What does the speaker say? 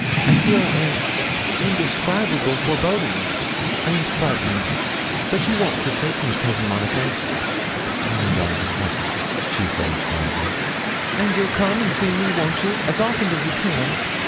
I feel an indescribable foreboding. I am frightened; but you won't forsake me, Cousin Monica.' 'No, darling, never,' she said, sadly. 'And you'll come and see me, won't you, as often as you can?'